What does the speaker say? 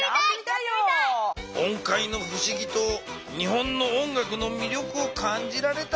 音階のふしぎと日本の音楽のみりょくを感じられたかな？